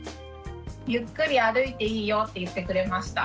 「ゆっくり歩いていいよ」って言ってくれました。